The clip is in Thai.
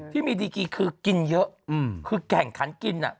ที่มีดีกีคือกินเยอะคือแข่งขันกินอ่ะ